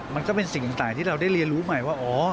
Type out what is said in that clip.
มันก็เป็นสิ่งต่างที่เราได้เรียนรู้ใหม่ว่าอ๋อ